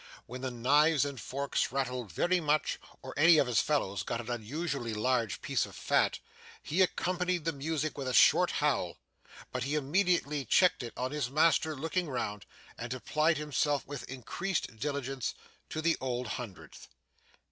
When the knives and forks rattled very much, or any of his fellows got an unusually large piece of fat, he accompanied the music with a short howl, but he immediately checked it on his master looking round, and applied himself with increased diligence to the Old Hundredth.